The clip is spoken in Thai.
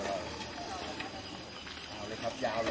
สวัสดีครับ